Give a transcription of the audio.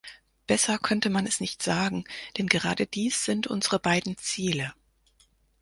Besser könnte man es nicht sagen, denn gerade dies sind unsere beiden Ziele.